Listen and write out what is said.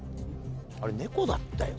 あれ猫だったよな。